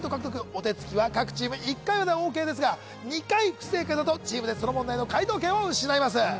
お手つきは各チーム１回までＯＫですが２回不正解だとチームでその問題の解答権を失います